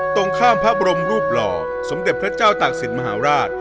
ตรงข้ามพระบรมรูปหล่อสมเด็จพระเจ้าตากศิลปมหาราช